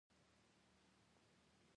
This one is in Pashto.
خو د دې تریخې چاودو ګټه څه ده؟ او بله خبره.